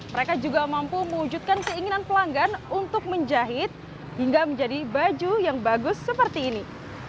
mereka juga mampu mewujudkan keinginan pelanggan untuk menjahit hingga menjadi baju yang bagus seperti ini